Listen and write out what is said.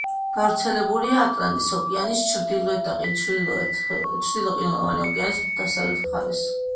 გავრცელებულია ატლანტის ოკეანის ჩრდილოეთ და ჩრდილო ყინულოვანი ოკეანის დასავლეთ მხარეს.